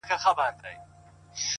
د هر يزيد زړه کي ايله لکه لړم ښه گراني-